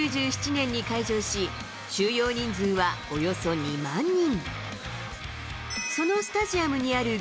１９９７年に開場し、収容人数はおよそ２万人。